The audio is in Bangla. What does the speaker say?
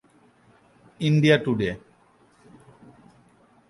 India today.